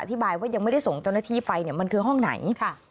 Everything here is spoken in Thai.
อธิบายว่ายังไม่ได้ส่งเจ้าหน้าที่ไปเนี่ยมันคือห้องไหน